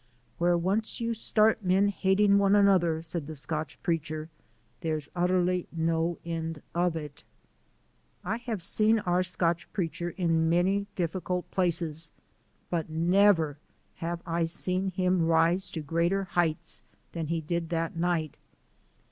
"Where once you start men hating one another," said the Scotch Preacher, "there's utterly no end of it." I have seen our Scotch Preacher in many difficult places, but never have I seen him rise to greater heights than he did that night.